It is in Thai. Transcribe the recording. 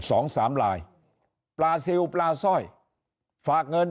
สองสามลายปลาซิลปลาสร้อยฝากเงิน